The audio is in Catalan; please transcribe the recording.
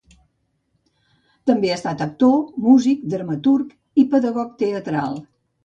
També ha estat actor, músic, dramaturg i pedagog teatral.